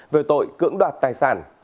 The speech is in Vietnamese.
về tội cưỡng đoạt tài sản